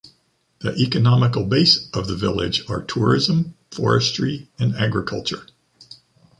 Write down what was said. The economical base of the village are tourism, forestry and agriculture.